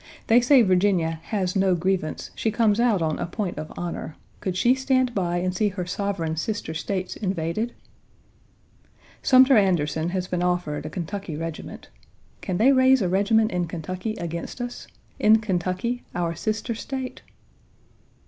They say Virginia "has no grievance; she comes out on a point of honor; could she stand by and see her sovereign sister States invaded?" Sumter Anderson has been offered a Kentucky regiment. Can they raise a regiment in Kentucky against us? In Kentucky, our sister State?